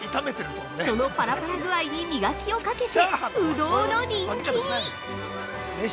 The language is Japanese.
そのパラパラ具合に磨きをかけて不動の人気に！